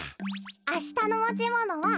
あしたのもちものは。